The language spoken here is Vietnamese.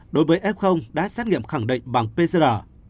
đối với f đã xét nghiệm khẳng định bằng pcr